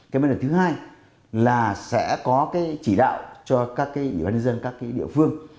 cái bất đợt thứ hai là sẽ có cái chỉ đạo cho các cái bệnh nhân dân các cái địa phương